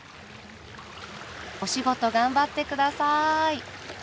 お仕事頑張って下さい。